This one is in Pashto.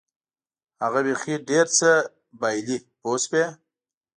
هغه بیخي ډېر څه بایلي پوه شوې!.